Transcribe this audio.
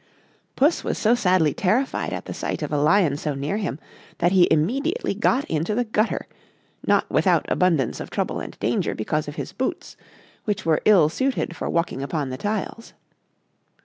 Puss was so sadly terrified at the sight of a lion so near him, that he immediately got into the gutter, not without abundance of trouble and danger, because of his boots, which were ill suited for walking upon the tiles.